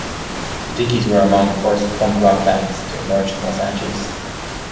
The Dickies were among the first punk rock bands to emerge from Los Angeles.